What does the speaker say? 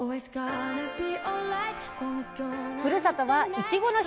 ふるさとはいちごの収穫量